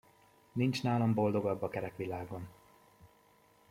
Nincs nálam boldogabb a kerek világon!